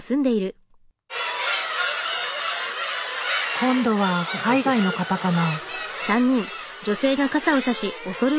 今度は海外の方かな？